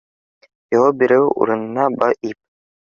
Яуап биреү урынына ба- ИП